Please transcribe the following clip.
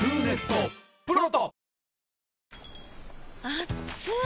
あっつい！